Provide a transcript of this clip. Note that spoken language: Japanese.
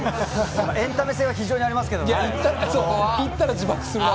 エンタメ性は非常にありますけどね。